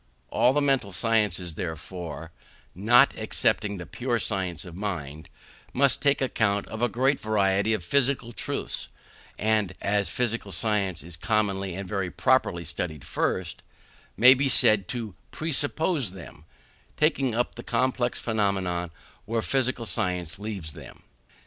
All the mental sciences, therefore, not excepting the pure science of mind, must take account of a great variety of physical truths; and (as physical science is commonly and very properly studied first) may be said to presuppose them, taking up the complex phenomena where physical science leaves them.